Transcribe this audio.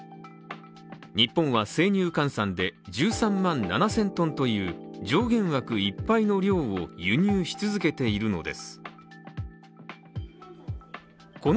日本は生乳換算で１３万７０００ｔという上限額いっぱいの量を輸入し続けているのです。